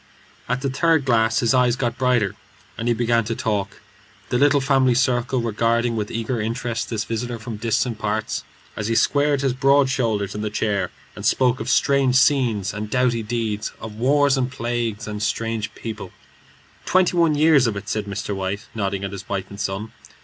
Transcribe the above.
At the third glass his eyes got brighter, and he began to talk, the little family circle regarding with eager interest this visitor from distant parts, as he squared his broad shoulders in the chair and spoke of wild scenes and doughty deeds; of wars and plagues and strange peoples. "Twenty one years of it," said Mr. White, nodding at his wife and son.